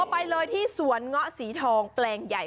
ไปเลยที่สวนเงาะสีทองแปลงใหญ่